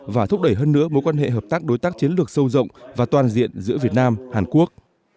và thúc đẩy hơn nữa mối quan hệ hợp tác đối tác chiến lược sâu rộng và toàn diện giữa việt nam hàn quốc